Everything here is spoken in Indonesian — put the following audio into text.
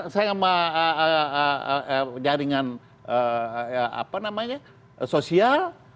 sehingga jaringan sosial